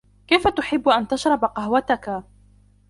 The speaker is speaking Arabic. كيف تحب أن تشرب قهوتك.